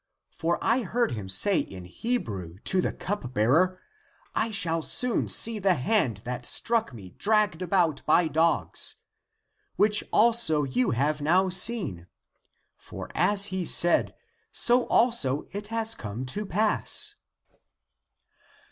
For I heard him say in Hebrew to the cup bearer, I shall soon see the hand that struck me dragged about by dogs — ACTS OF THOMAS 233 which also you have now seen. For as he said, so also it has come to pass."